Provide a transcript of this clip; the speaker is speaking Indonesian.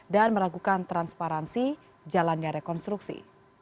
dan meragukan transparansi jalannya rekonstruksi